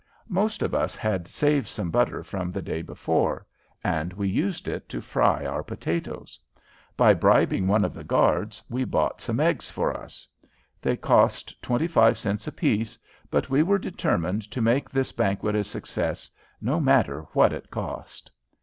Most of us had saved some butter from the day before and we used it to fry our potatoes. By bribing one of the guards he bought some eggs for us. They cost twenty five cents apiece, but we were determined to make this banquet a success, no matter what it cost.